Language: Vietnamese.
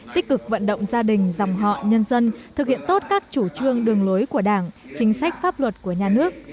tích cực vận động gia đình dòng họ nhân dân thực hiện tốt các chủ trương đường lối của đảng chính sách pháp luật của nhà nước